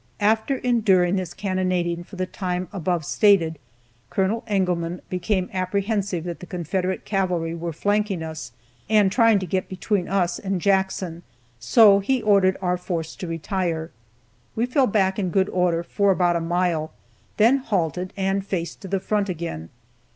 After enduring this cannonading for the time above stated, Col. Engelmann became apprehensive that the Confederate cavalry were flanking us, and trying to get between us and Jackson, so he ordered our force to retire. We fell back, in good order, for about a mile, then halted, and faced to the front again.